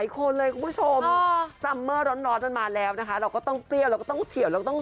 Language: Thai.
ก็คือเธอ